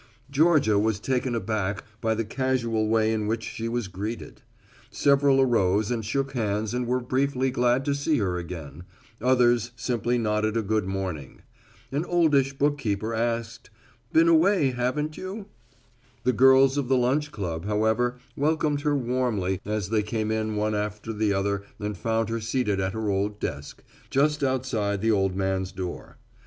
Georgia was taken back by the casual way in which she was greeted. Several arose and shook hands and were briefly glad to see her again; others simply nodded a good morning. An oldish bookkeeper asked, "Been away, haven't you?" The girls of the lunch club, however, welcomed her warmly as they came in one after the other and found her seated at her old desk, just outside the old man's door.